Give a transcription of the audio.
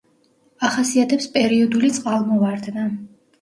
ახასიათებს პერიოდული წყალმოვარდნა.